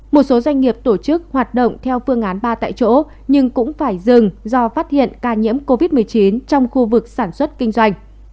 một số doanh nghiệp tổ chức hoạt động theo phương án ba tại chỗ nhưng cũng phải dừng do phát hiện ca nhiễm covid một mươi chín trong khu vực sản xuất kinh doanh